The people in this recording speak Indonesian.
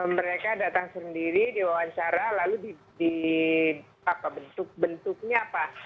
mereka datang sendiri diwawancara lalu bentuknya apa